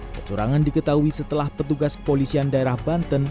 kecurangan diketahui setelah petugas kepolisian daerah banten